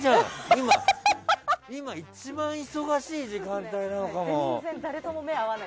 今一番忙しい時間帯なのかな。